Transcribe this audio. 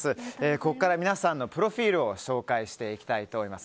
ここからは皆さんのプロフィールをご紹介したいと思います。